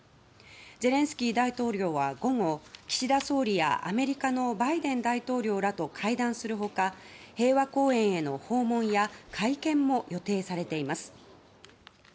ゼレンスキー大統領は午後、岸田総理やアメリカのバイデン大統領らと会談する他平和公園への訪問や会見も予定されています。